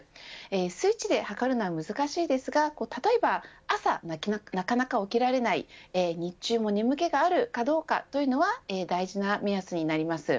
数値で測るのは難しいですが例えば、朝なかなか起きられない日中も眠気があるかどうかというのは大事な目安になります。